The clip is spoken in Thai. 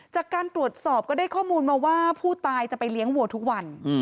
จากการตรวจสอบก็ได้ข้อมูลมาว่าผู้ตายจะไปเลี้ยงวัวทุกวัน